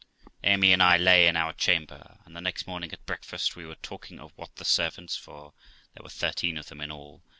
Amy and I lay in our chamber, and the next morning at breakfast we were talking of what the servants (for there were thirteen of them in all, viz.